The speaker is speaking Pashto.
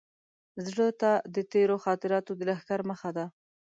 زړه ته د تېرو خاطراتو د لښکر مخه ده.